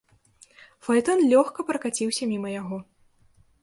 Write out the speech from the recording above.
Фаэтон лёгка пракаціўся міма яго.